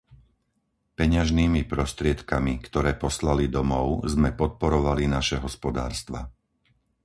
Peňažnými prostriedkami, ktoré poslali domov, sme podporovali naše hospodárstva.